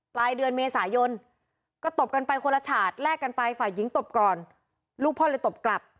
ปลายเดือนเมษายนก็ตบกันไปคนละฉาดแลกกันไปฝ่ายหญิงตบก่อนลูกพ่อเลยตบกลับ